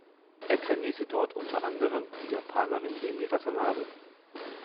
Er trainierte dort unter anderem die Japanerin Emi Watanabe.